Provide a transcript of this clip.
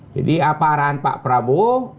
jadi apa arahan pak prabowo